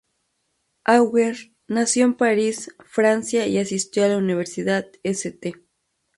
Auger nació en París, Francia, y asistió a la "Universidad St.